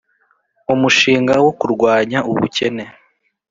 umushinga wo kurwanya ubukene